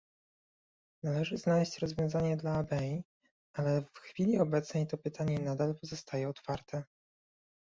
Należy znaleźć rozwiązanie dla Abyei, ale w chwili obecnej to pytanie nadal pozostaje otwarte